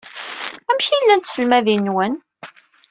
Amek ay llant tselmadin-nwen?